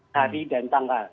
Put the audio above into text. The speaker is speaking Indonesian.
hari dan tanggal